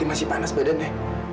ini masih panas badannya